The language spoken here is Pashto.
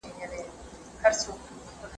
خطونه بې معنی نه وي.